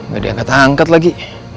gak diangkat angkat lagi